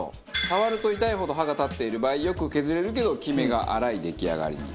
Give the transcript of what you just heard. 触ると痛いほど刃が立っている場合よく削れるけどキメが粗い出来上がりに。